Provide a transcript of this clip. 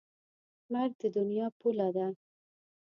مرګ د دنیا پوله ده.